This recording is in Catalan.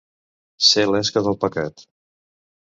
Ser l'esca del pecat.